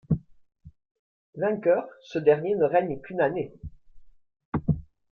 Vainqueur, ce dernier ne règne qu'une année.